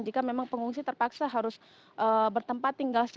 jika memang pengungsi terpaksa harus bertempat tinggal